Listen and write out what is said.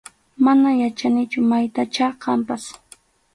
Mana yachanichu maytachá kanpas.